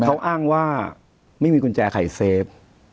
เขาอ้างว่าไม่มีกุญแจขายเซฟ